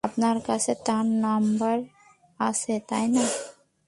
আপনার কাছে তার নাম্বার আছে, তাই না?